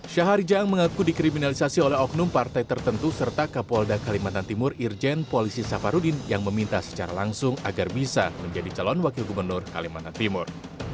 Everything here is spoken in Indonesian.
syahari jaang mengaku dikriminalisasi oleh oknum partai tertentu serta kapolda kalimantan timur irjen polisi safarudin yang meminta secara langsung agar bisa menjadi calon wakil gubernur kalimantan timur